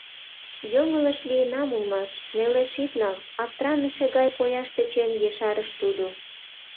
— Йоҥылыш лийынам улмаш, нелеш ит нал, — аптраныше гай кояш тӧчен, ешарыш тудо.